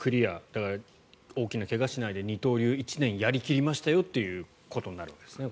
だから大きな怪我しないで二刀流、１年やり切りましたよということになるわけですね。